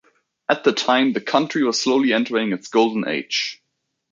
At the time, the country was slowly entering its "Golden Age".